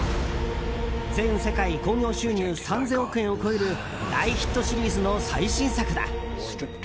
全世界興行収入３０００億円を超える大ヒットシリーズの最新作だ。